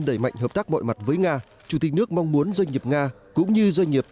đẩy mạnh hợp tác mọi mặt với nga chủ tịch nước mong muốn doanh nghiệp nga cũng như doanh nghiệp